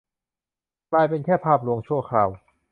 กลายเป็นแค่ภาพลวงชั่วคราว